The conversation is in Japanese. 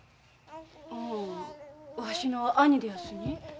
ああわしの兄でやすに。